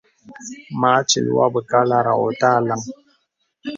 Mà atil wô be kālārá wô tà alàŋ.